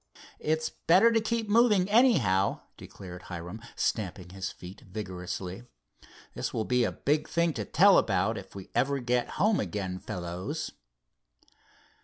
"It's better to keep moving, anyhow," declared Hiram, stamping his feet vigorously. "This will be a big thing to tell about if we ever get home again, fellows."